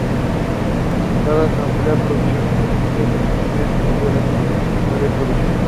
Cada Asamblea Provincial elegirá su Presidente y el entonces secretario provincial.